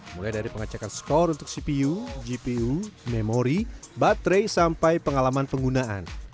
mulai dari pengecekan skor untuk cpu gpu memori baterai sampai pengalaman penggunaan